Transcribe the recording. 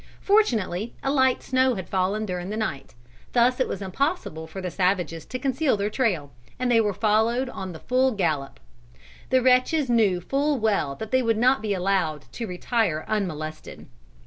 Fortunately a light snow had fallen during the night. Thus it was impossible for the savages to conceal their trail, and they were followed on the full gallop. The wretches knew full well that they would not be allowed to retire unmolested.